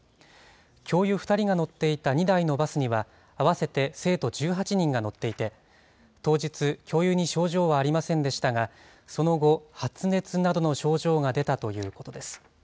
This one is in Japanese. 教諭２人が乗っていた２台のバスには合わせて生徒１８人が乗っていて、当日、教諭に症状はありませんでしたが、その後、発熱などの症状が出たということです。